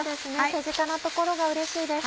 手近なところがうれしいです。